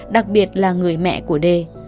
đặc biệt là người mẹ của đê